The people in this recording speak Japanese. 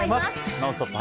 「ノンストップ！」